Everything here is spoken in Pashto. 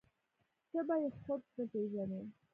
ته به يې خود نه پېژنې.